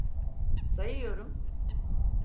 Sayıyorum.